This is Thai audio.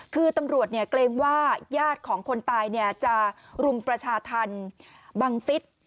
คือตำรวจเกรงว่าญาติของคนตายจะรุมประชาธรรมบังฟิศ